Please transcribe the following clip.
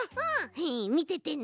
へへみててね。